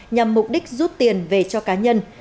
nhằm mục đích rút tiền về cho cá nhân